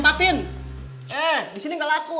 eh di sini gak laku